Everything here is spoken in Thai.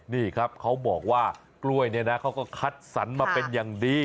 นี่ครับเขาบอกว่ากล้วยเนี่ยนะเขาก็คัดสรรมาเป็นอย่างดี